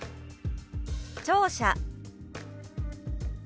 「聴者」。